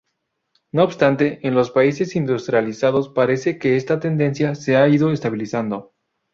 No obstante, en los países industrializados parece que esta tendencia se ha ido estabilizando.